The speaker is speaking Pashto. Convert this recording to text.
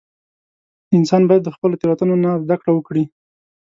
• انسان باید د خپلو تېروتنو نه زده کړه وکړي.